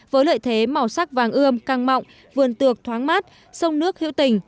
với lợi thế màu sắc vàng ươm căng mọng vườn tược thoáng mát sông nước hữu tình